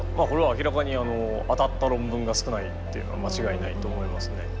これは明らかに当たった論文が少ないっていうのは間違いないと思いますね。